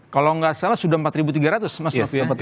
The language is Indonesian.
kalau gak salah sudah empat tiga ratus mas lofi ya